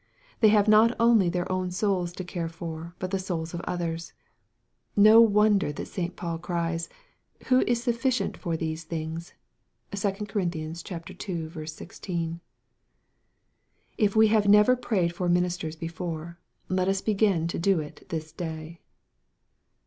They have not only their own souls to care for, but the souls of others. No wonder that St. Paul cries, " Who is sufficient for these things ?" (2 Cor. ii. 16.) If we never prayed for ministers before, let us begin to do it this day.